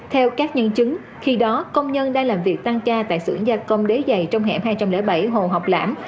theo các nhân chứng khi đó công nhân đang làm việc tăng ca tại xưởng gia công đế dày trong hẻm hai trăm linh bảy hồ học lãm